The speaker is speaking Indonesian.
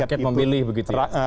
rakyat memilih begitu ya